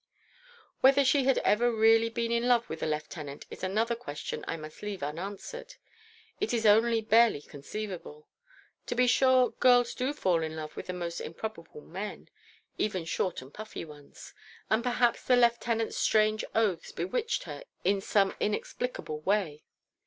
Whether she had ever really been in love with the lieutenant is another question I must leave unanswered. It is only barely conceivable. To be sure, girls do fall in love with the most improbable men: even short and puffy ones; and perhaps the lieutenant's strange oaths bewitched her in some inexplicable way.